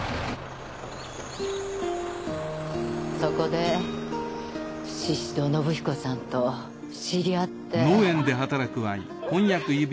そこで宍戸信彦さんと知り合って。